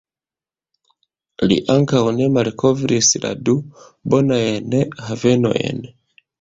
Li ankaŭ ne malkovris la du bonajn havenojn.